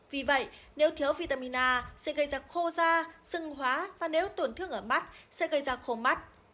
vì vậy nếu thiếu vitamin a sẽ gây ra khô da sừng hóa và nếu tổn thương ở mắt sẽ gây ra khô mắt